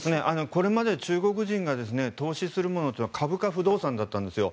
これまで中国人が投資するものというのは株か不動産だったんですよ。